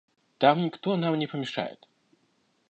Там никто нам не помешает».